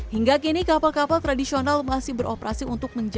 hingga kini kapal kapal tradisional masih beroperasi untuk mencari